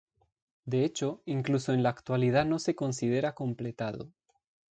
De hecho, incluso en la actualidad no se considera completado.